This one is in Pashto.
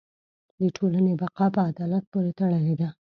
د ټولنې بقاء په عدالت پورې تړلې ده.